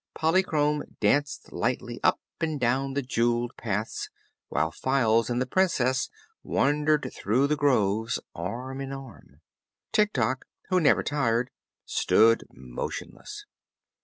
Polychrome danced lightly up and down the jeweled paths while Files and the Princess wandered through the groves arm in arm. Tik Tok, who never tired, stood motionless.